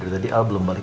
tadi al belum balik